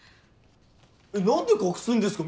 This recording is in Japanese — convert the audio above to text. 何で隠すんですか。